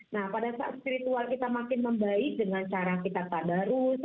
nah pada saat spiritual kita makin membaik dengan cara kita tadarus